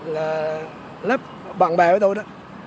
là lớp bạn bè của tôi đó